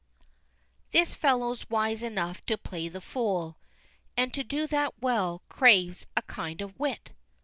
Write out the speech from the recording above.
"This fellow's wise enough to play the fool, And to do that well craves a kind of wit."